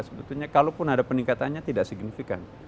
sebetulnya kalaupun ada peningkatannya tidak signifikan